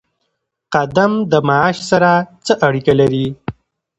قدم د معاش سره څه اړیکه لري؟